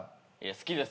好きです。